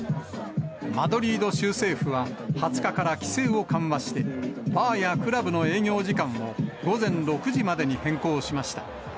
マドリード州政府は、２０日から規制を緩和して、バーやクラブの営業時間を午前６時までに変更しました。